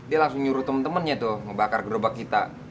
dia langsung nyuruh temen temennya tuh ngebakar gerobak kita